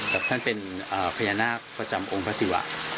แต่ท่านเป็นพญานาคประจำองค์พระศิวะ